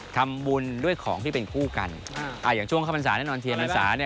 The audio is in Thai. ทำบุญด้วยของที่เป็นคู่กันอ่าอย่างช่วงเข้าพรรษาแน่นอนเทียนพรรษาเนี่ย